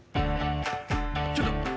ちょっと。